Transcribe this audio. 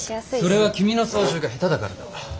それは君の操縦が下手だからだ。